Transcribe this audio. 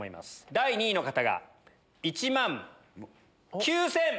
第２位の方が１万９千。